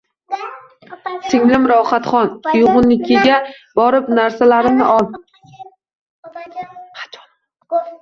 «Singlim Rohatxon! Uyg’unnikiga borib, narsalarimni ol.